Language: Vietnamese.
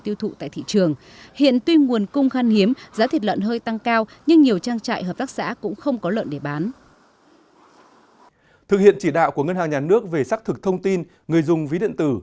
thực hiện chỉ đạo của ngân hàng nhà nước về xác thực thông tin người dùng ví điện tử